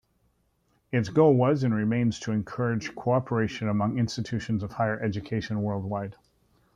Its goal was and remains to encourage cooperation among institutions of higher education worldwide.